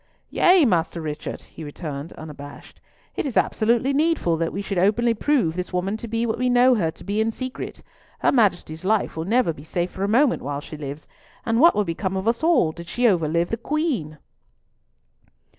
"Yea, Master Richard," he returned, unabashed. "It is absolutely needful that we should openly prove this woman to be what we know her to be in secret. Her Majesty's life will never be safe for a moment while she lives; and what would become of us all did she overlive the Queen!"